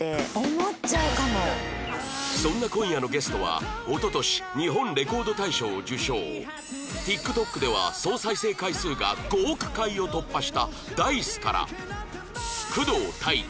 そんな今夜のゲストは一昨年日本レコード大賞を受賞 ＴｉｋＴｏｋ では総再生回数が５億回を突破した Ｄａ−ｉＣＥ から工藤大輝